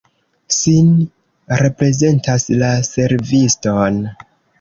Sin reprezentas la serviston.